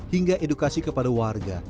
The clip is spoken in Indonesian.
hingga edukasi kepada warga